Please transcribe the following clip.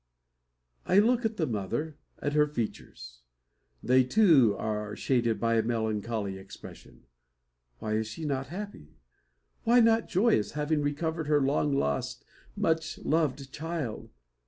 I look at the mother at her features. They, too, are shaded by a melancholy expression. Why is not she happy? Why not joyous, having recovered her long lost, much loved child?